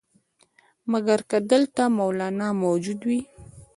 مګر که دلته مولنا موجود وي.